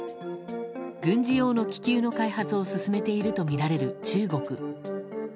軍事用の気球の開発を進めているとみられる中国。